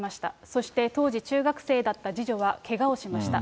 そして、当時中学生だった次女はけがをしました。